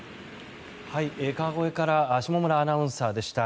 川越から下村アナウンサーでした。